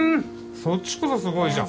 そっちこそすごいじゃん。